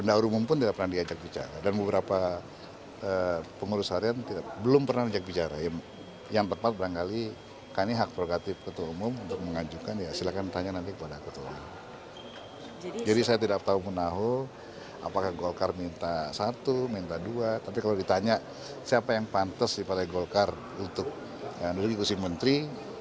apakah golkar minta satu minta dua tapi kalau ditanya siapa yang pantas di partai golkar untuk menuruti kursi menteri